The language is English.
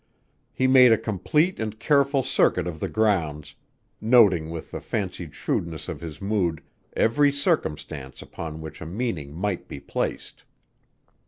He made a complete and careful circuit of the grounds, noting with the fancied shrewdness of his mood every circumstance upon which a meaning might be placed.